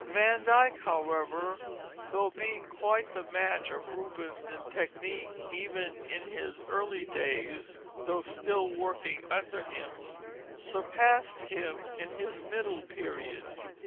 Van Dyck, however, though being quite the match of Rubens in technique, even in his early days though still working under him surpassed him in his middle period.